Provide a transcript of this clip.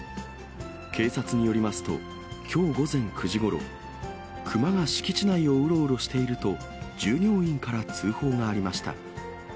警察によりますと、きょう午前９時ごろ、熊が敷地内をうろうろしていると、従業員から通報がありました。